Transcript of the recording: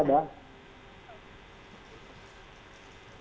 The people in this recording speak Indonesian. iya betul mbak